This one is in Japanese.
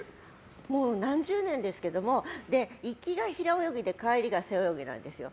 もう何十年ですけど行きが平泳ぎで帰りが背泳ぎなんですよ。